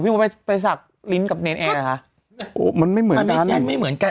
ไปไปสักลิ้นกับเนรนแอร์นะคะโอ้มันไม่เหมือนกันไม่เหมือนกัน